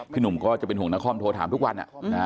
พี่หนุ่มก็จะเป็นห่วงนครโทรศัพท์ทุกวัน